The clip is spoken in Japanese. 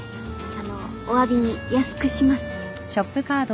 あのおわびに安くします